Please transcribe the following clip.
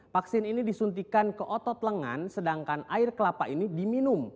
vaksin ini disuntikan ke otot lengan sedangkan air kelapa ini diminum